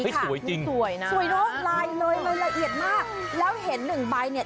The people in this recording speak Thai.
สวยจริงสวยนะสวยเนอะลายเลยละเอียดมากแล้วเห็นหนึ่งใบเนี่ย